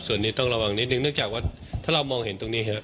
ส่วนนี้ต้องระวังนิดนึงเนื่องจากว่าถ้าเรามองเห็นตรงนี้ครับ